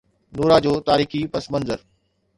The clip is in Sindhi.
نورا جو تاريخي پس منظر